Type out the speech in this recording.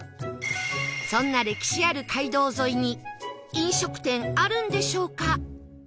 そんな歴史ある街道沿いに飲食店あるんでしょうか？